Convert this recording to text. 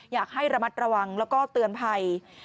อยากให้ระมัดระวังแล้วก็เตือนภัย